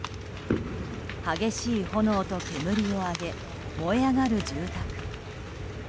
激しい炎と煙を上げ燃え上がる住宅。